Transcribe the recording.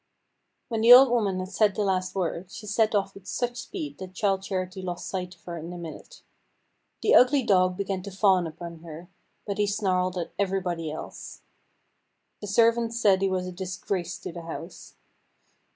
When the old woman had said the last word, she set off with such speed that Childe Charity lost sight of her in a minute. The ugly dog began to fawn upon her, but he snarled at everybody else. The servants said he was a disgrace to the house.